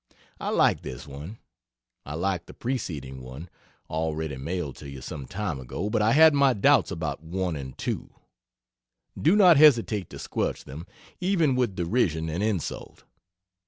I like this one, I liked the preceding one (already mailed to you some time ago) but I had my doubts about 1 and 2. Do not hesitate to squelch them, even with derision and insult.